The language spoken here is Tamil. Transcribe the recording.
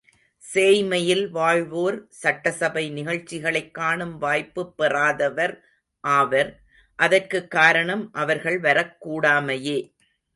சேய்மையில் வாழ்வோர் சட்டசபை நிகழ்ச்சிகளைக் காணும் வாய்ப்புப் பெறாதவர் ஆவர். அதற்குக் காரணம் அவர்கள் வரக்கூடாமையே.